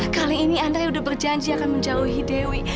kali ini andrei udah berjanji akan menjauhi dewi